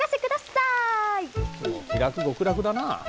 いつもお気楽極楽だな。